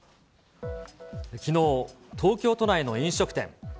きのう、東京都内の飲食店。